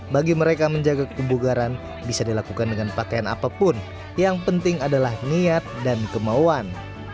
bagi mereka menjaga kebugaran bisa dilakukan dengan pakaian apapun yang penting adalah niat dan kemauan